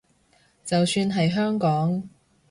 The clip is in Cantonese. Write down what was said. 就算係香港